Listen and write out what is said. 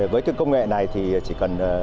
với công nghệ này thì chỉ cần